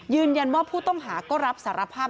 ยืนยันว่าผู้ต้องหาก็รับสารภาพ